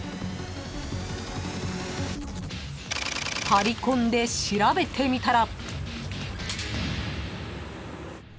［張り込んで調べてみたら］